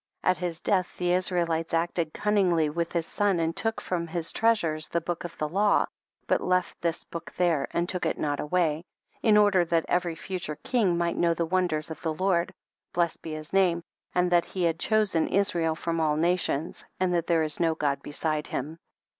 * At his death, the Israelites acted cunningly with his son and took from his treasures the book of the law, but left this book there and look it not away, in order that every future king might know the wonders of the Lord, blessed be his name, and that he had chosen Israel from all nations, and that there is no God beside him.